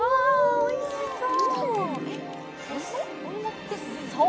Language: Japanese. おいしそう。